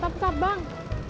tetap tetap bang